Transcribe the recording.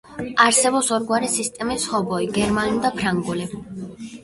არსებობს ორგვარი სისტემის ჰობოი: გერმანული და ფრანგული.